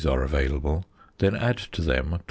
are available, then add to them 24.